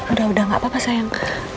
udah udah gak apa apa sayang